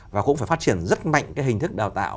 và cũng phải phát triển rất mạnh cái hình thức đào tạo